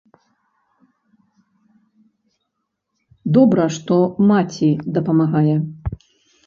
Добра, што маці дапамагае.